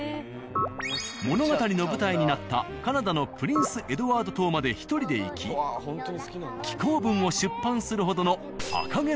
物語の舞台になったカナダのプリンスエドワード島まで１人で行き紀行文を出版するほどの「赤毛のアン」